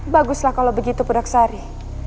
baguslah kalau begitu puraksari